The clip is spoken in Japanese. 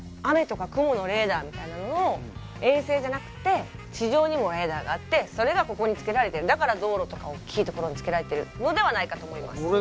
雨とか雲のレーダーみたいなのを衛星じゃなくて地上にもレーダーがあってそれがここにつけられてるだから道路とかおっきいところにつけられてるのではないかと思います